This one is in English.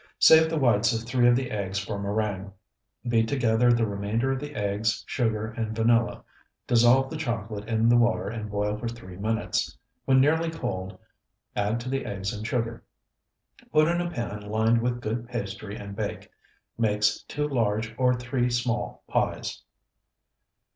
Save the whites of three of the eggs for meringue; beat together the remainder of the eggs, sugar, and vanilla; dissolve the chocolate in the water and boil for three minutes. When nearly cold, add to the eggs and sugar. Put in pan lined with good pastry and bake; makes two large or three small pies.